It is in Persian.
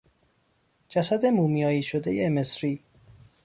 جسد مومیایی شدهی مصری